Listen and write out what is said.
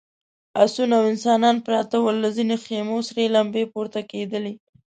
آسونه او انسانان پراته ول، له ځينو خيمو سرې لمبې پورته کېدلې….